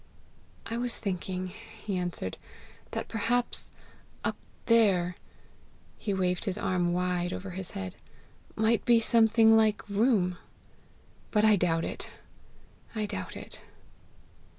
"I was thinking," he answered, "that perhaps up THERE" he waved his arm wide over his head "might be something like room; but I doubt it, I doubt it!"